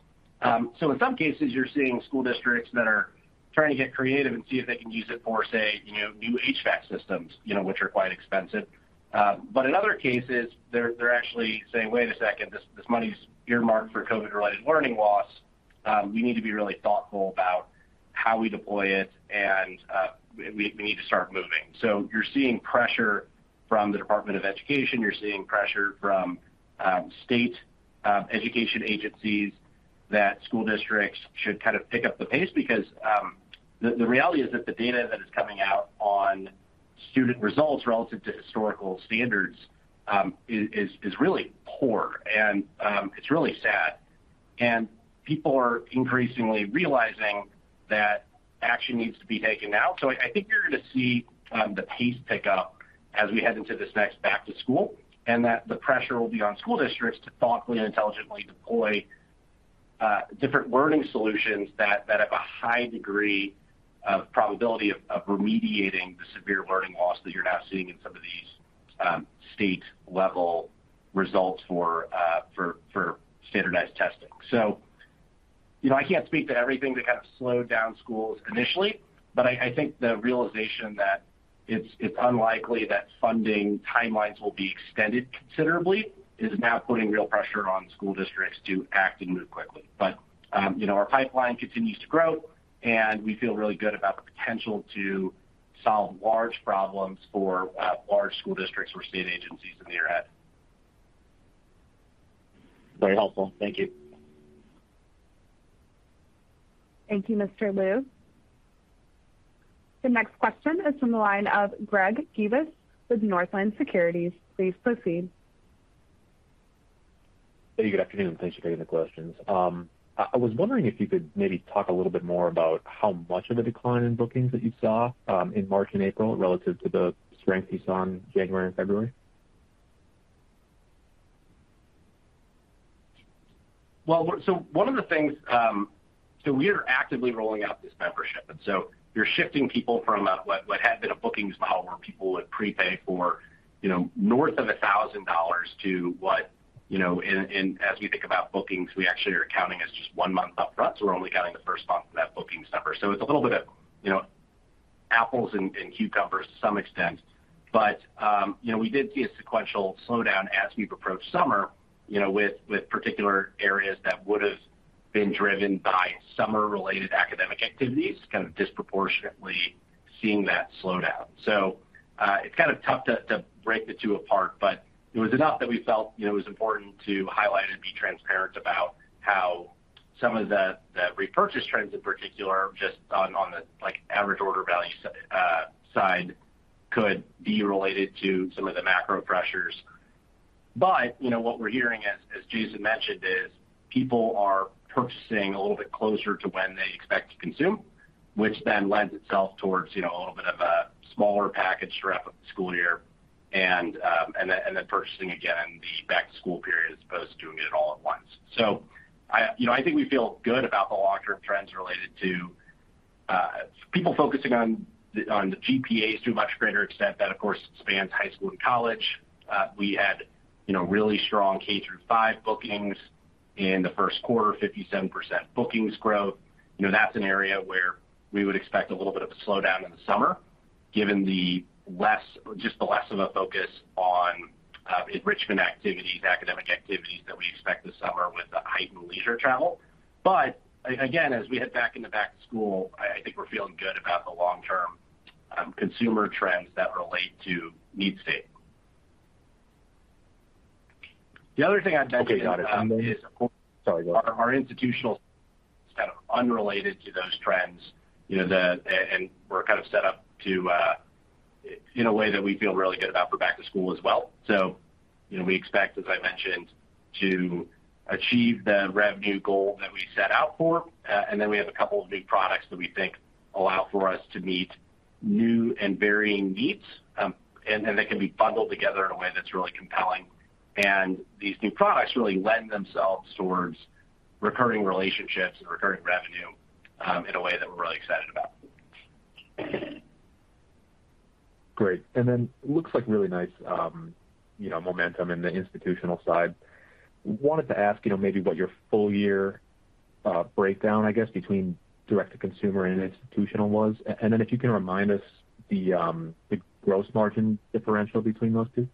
In some cases you're seeing school districts that are trying to get creative and see if they can use it for, say, you know, new HVAC systems, you know, which are quite expensive. In other cases they're actually saying, "Wait a second, this money's earmarked for COVID-related learning loss. We need to be really thoughtful about how we deploy it and we need to start moving." You're seeing pressure from the Department of Education. You're seeing pressure from state education agencies that school districts should kind of pick up the pace because the reality is that the data that is coming out on student results relative to historical standards is really poor and it's really sad, and people are increasingly realizing that action needs to be taken now. I think you're gonna see the pace pick up as we head into this next back to school, and that the pressure will be on school districts to thoughtfully and intelligently deploy different learning solutions that have a high degree of probability of remediating the severe learning loss that you're now seeing in some of these state level results for standardized testing. You know, I can't speak to everything that kind of slowed down schools initially, but I think the realization that it's unlikely that funding timelines will be extended considerably is now putting real pressure on school districts to act and move quickly. you know, our pipeline continues to grow, and we feel really good about the potential to solve large problems for large school districts or state agencies in the near ahead. Very helpful. Thank you. Thank you, Mr. Lu. The next question is from the line of Gregory Gibas with Northland Securities. Please proceed. Hey, good afternoon, and thanks for taking the questions. I was wondering if you could maybe talk a little bit more about how much of a decline in bookings that you saw in March and April relative to the strength you saw in January and February. One of the things, we are actively rolling out this membership, and you're shifting people from what had been a bookings model where people would prepay for, you know, north of $1,000 to what, you know, and as we think about bookings, we actually are counting as just one month up front, so we're only counting the first month of that bookings number. It's a little bit of, you know, apples and cucumbers to some extent. You know, we did see a sequential slowdown as we've approached summer, you know, with particular areas that would've been driven by summer related academic activities, kind of disproportionately seeing that slowdown. It's kind of tough to break the two apart, but it was enough that we felt, you know, it was important to highlight and be transparent about how some of the repurchase trends in particular, just on the, like, average order value side could be related to some of the macro pressures. You know, what we're hearing as Jason mentioned, is people are purchasing a little bit closer to when they expect to consume, which then lends itself towards, you know, a little bit of a smaller package throughout the school year and then purchasing again in the back-to-school period, as opposed to doing it all at once. I you know I think we feel good about the long-term trends related to people focusing on the GPAs to a much greater extent that of course spans high school and college. We had you know really strong K through five bookings in the first quarter, 57% bookings growth. You know that's an area where we would expect a little bit of a slowdown in the summer given the less just the less of a focus on enrichment activities, academic activities that we expect this summer with the heightened leisure travel. Again as we head back to school I think we're feeling good about the long-term consumer trends that relate to need state. The other thing I'd mention. Okay, got it. Is of course- Sorry, go ahead. Our institutional kind of unrelated to those trends, you know, we're kind of set up to in a way that we feel really good about for back to school as well. You know, we expect, as I mentioned, to achieve the revenue goal that we set out for. Then we have a couple of new products that we think allow for us to meet new and varying needs, and that can be bundled together in a way that's really compelling. These new products really lend themselves towards recurring relationships and recurring revenue, in a way that we're really excited about. Great. Looks like really nice, you know, momentum in the institutional side. Wanted to ask, you know, maybe what your full year breakdown, I guess, between direct to consumer and institutional was, and then if you can remind us the gross margin differential between those two.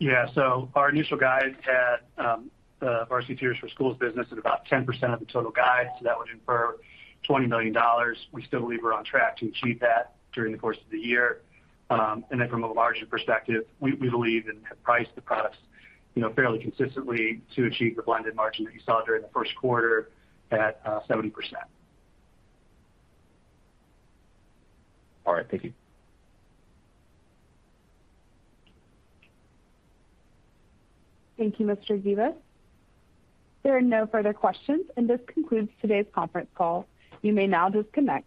Yeah. Our initial guide had the Varsity Tutors for Schools business at about 10% of the total guide, so that would infer $20 million. We still believe we're on track to achieve that during the course of the year. From a margin perspective, we believe and have priced the products, you know, fairly consistently to achieve the blended margin that you saw during the first quarter at 70%. All right. Thank you. Thank you, Mr. Gibas. There are no further questions, and this concludes today's conference call. You may now disconnect.